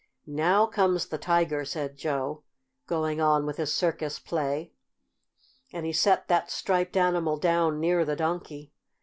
"Now comes the Tiger," said Joe, going on with his circus play, and he set that striped animal down near the Donkey.